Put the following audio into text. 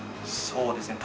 そうですね。